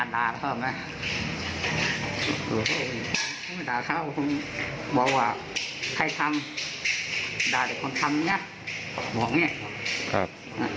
แล้วจากนั้นทำยังไงครับ